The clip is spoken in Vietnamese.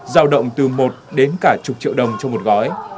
giao động từ một đến cả chục triệu đồng cho một gói